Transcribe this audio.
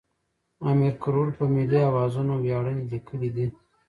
امیر کروړ په ملي اوزانو ویاړنې لیکلې دي.